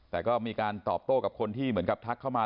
แต่ก็มีการตอบโต้กับคนที่เหมือนกับทักเข้ามา